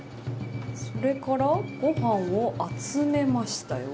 それからご飯を集めました。